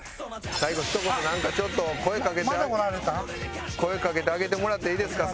最後ひと言なんかちょっと声かけて声かけてあげてもらっていいですか？